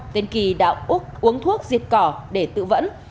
tên kỳ đã uống thuốc diệt cỏ để tự vẫn